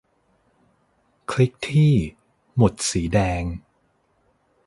คลิกที่ หมุดสีแดง